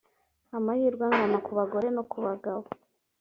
amahirwe angana ku bagore no ku bagabo .